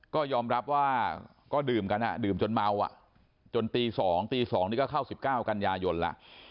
ก็ยอมรับว่าก็ดื่มกันดื่มจนเมาจนตี๒ตี๒นี่ก็เข้า๑๙กันยายนแล้ว